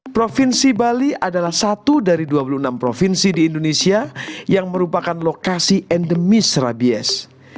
provinsi bali adalah satu dari dua puluh enam provinsi di indonesia yang merupakan lokasi endemis rabies